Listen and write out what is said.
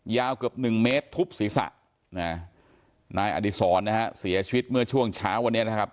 ยาวเกือบ๑เมตรทุบศีรษะนายอดิสรเสียชีวิตเมื่อช่วงเช้าวันนี้นะครับ